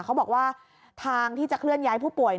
เขาบอกว่าทางที่จะเคลื่อนย้ายผู้ป่วย